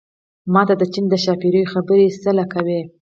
ما ته د چين د ښاپېرو خبرې څه له کوې